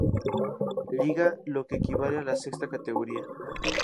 Liga, lo que equivale a la sexta categoría.